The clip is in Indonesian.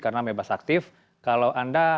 karena bebas aktif kalau anda